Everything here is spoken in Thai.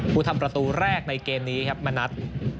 ผู้ทำประตูแรกในเกมนี้ครับมณัฐ